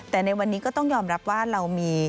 แต่ในวันนี้ก็ต้องยอมรับว่าเรามี